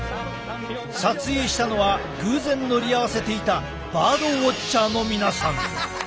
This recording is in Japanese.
撮影したのは偶然乗り合わせていたバードウォッチャーの皆さん。